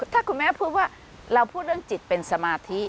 ถ้าคุณแม่พูดว่าเราพูดเรื่องจิตเป็นสมาธิ